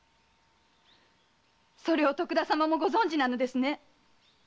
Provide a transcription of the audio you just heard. それを徳田様もご存じなのですね？